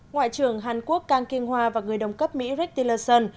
ngoại trưởng hàn quốc kang kiên hoa và người đồng cấp mỹ rick tillerson